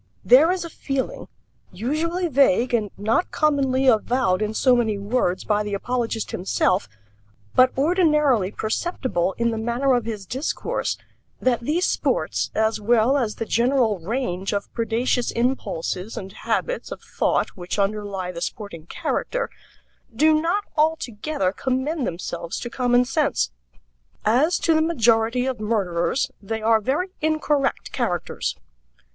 There is a feeling usually vague and not commonly avowed in so many words by the apologist himself, but ordinarily perceptible in the manner of his discourse that these sports, as well as the general range of predaceous impulses and habits of thought which underlie the sporting character, do not altogether commend themselves to common sense. "As to the majority of murderers, they are very incorrect characters."